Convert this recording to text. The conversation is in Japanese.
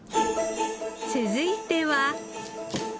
続いては。